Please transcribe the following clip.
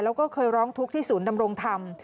แล้วก็เคยร้องทุกข์ที่ศูนย์ดำรงธรรม